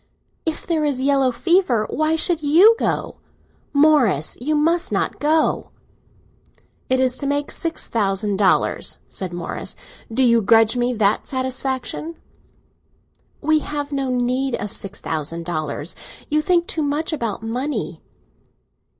"If there is yellow fever, why should you go? Morris, you must not go!" "It is to make six thousand dollars," said Morris. "Do you grudge me that satisfaction?" "We have no need of six thousand dollars. You think too much about money!"